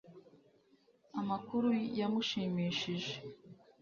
Amakuru yamushimishije